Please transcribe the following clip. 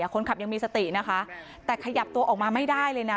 คนขับยังมีสตินะคะแต่ขยับตัวออกมาไม่ได้เลยนะ